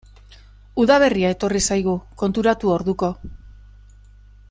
Udaberria etorri zaigu, konturatu orduko.